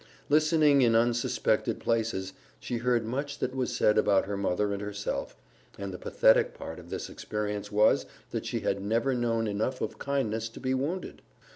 Listening in unsuspected places, she heard much that was said about her mother and herself, and the pathetic part of this experience was that she had never known enough of kindness to be wounded.